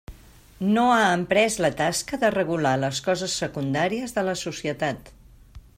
No ha emprès la tasca de regular les coses secundàries de la societat.